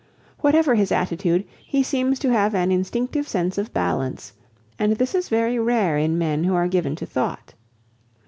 Whatever his attitude, he seems to have an instinctive sense of balance, and this is very rare in men who are given to thought.